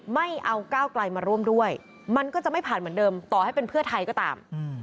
ไม่เอาก้าวไกลมาร่วมด้วยมันก็จะไม่ผ่านเหมือนเดิมต่อให้เป็นเพื่อไทยก็ตาม